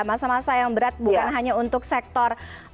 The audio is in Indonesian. masa masa yang berat bukan hanya untuk sektor